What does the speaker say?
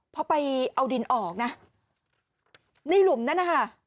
พอไปเอาดินออกนะในหลุมนั้นนะคะ